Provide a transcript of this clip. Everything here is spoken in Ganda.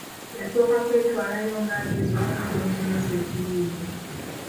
Yasooka kwetwalayo nga agenze okubuuza omusomesa ekibuuzo.